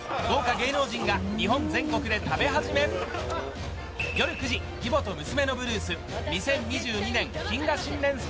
豪華芸能人が日本全国で食べ始め夜９時「義母と娘のブルース」２０２２年謹賀新年